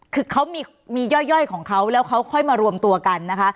คือเขามีย่อยของเขาแล้วเขาค่อยมารวมตัวกันนะคะ